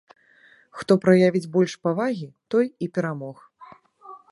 Хто праявіць больш павагі, той і перамог.